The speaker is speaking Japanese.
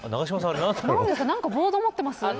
何かボードを持ってますよ。